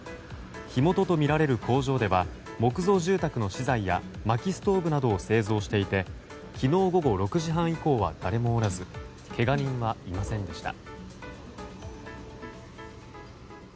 火元とみられる工場では木造住宅の資材やまきストーブなどを製造していて昨日午後６時半以降は誰もおらずけが人はいませんでした。